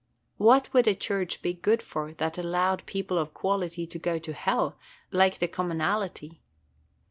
What would a church be good for that allowed people of quality to go to hell, like the commonalty?